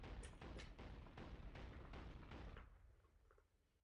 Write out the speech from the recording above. Pak spadla na východ starého hřbitova.